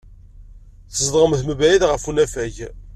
Tzedɣemt mebɛid ɣef unafag.